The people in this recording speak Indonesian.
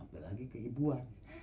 ambil lagi keibuan